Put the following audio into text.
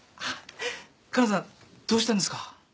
かなさんどうしたんですか？